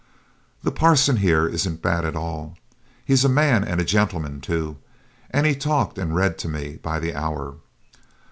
The parson here isn't bad at all. He's a man and a gentleman, too; and he's talked and read to me by the hour.